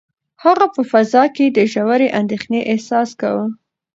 هغه په فضا کې د ژورې اندېښنې احساس کاوه.